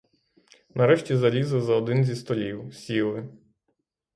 Нарешті залізли за один зі столів, сіли.